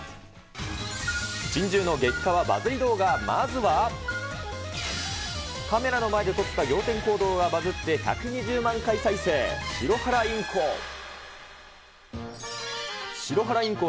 珍獣の激かわバズり動画、まずは、カメラの前で取った仰天行動がバズって１２０万回再生、シロハラインコ。